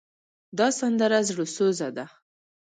دا سندره زړوسوزه ده.